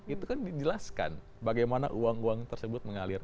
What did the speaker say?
itu kan dijelaskan bagaimana uang uang tersebut mengalir